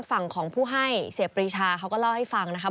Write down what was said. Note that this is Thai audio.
เขาก็ดูของผู้ให้เสียปริชาเขาก็เล่าให้ฟังนะครับ